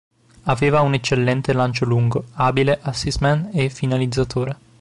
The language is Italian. Aveva un eccellente lancio lungo, abile assist-man e finalizzatore.